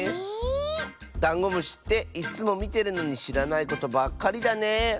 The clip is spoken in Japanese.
ダンゴムシっていっつもみてるのにしらないことばっかりだねえ。